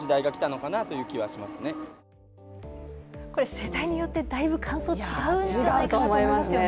世代によってだいぶ感想違うんじゃないかと思いますよね。